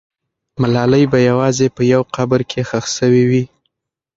ملالۍ به یوازې په یو قبر کې ښخ سوې وي.